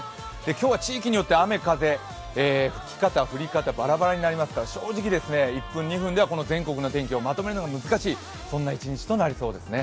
今日は地域によって雨・風、吹き方、降り方ばらばらになりますから正直１分、２分では全国の天気をまとめるのが難しい、そんな一日となりそうです。